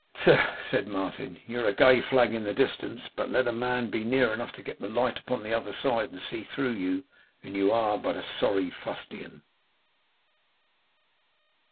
'Tut!' said Martin. 'You're a gay flag in the distance. But let a man be near enough to get the light upon the other side and see through you; and you are but sorry fustian!